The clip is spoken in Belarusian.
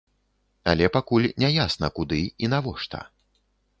Але пакуль не ясна куды і навошта.